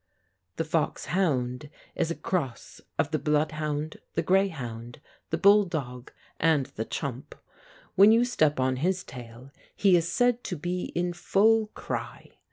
The foxhound is a cross of the bloodhound, the grayhound, the bulldog and the chump. When you step on his tail he is said to be in full cry.